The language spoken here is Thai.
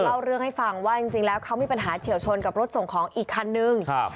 เล่าเรื่องให้ฟังว่าจริงแล้วเขามีปัญหาเฉียวชนกับรถส่งของอีกคันนึงครับ